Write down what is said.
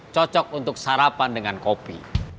cocok untuk sarapan dengan kopi